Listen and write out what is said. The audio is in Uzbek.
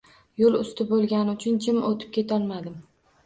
Yoʻl usti boʻlgani uchun jim oʻtib ketolmadim.